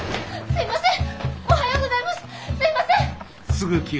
すいません！